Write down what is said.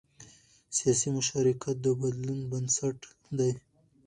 سیاسي مشارکت د بدلون بنسټ دی